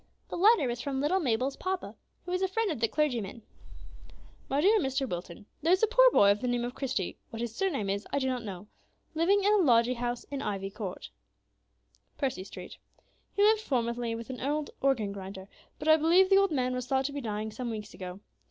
The letter was from little Mabel's papa, who was a friend of the clergyman. "MY DEAR MR. WILTON, There is a poor boy of the name of Christie (what his surname is I do not know) living in a lodging house in Ivy Court, Percy Street. He lived formerly with an old organ grinder, but I believe the old man was thought to be dying some weeks ago.